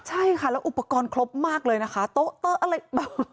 ใช่ค่ะแล้วอุปกรณ์ครบมากเลยนะคะโต๊ะอะไรแบบ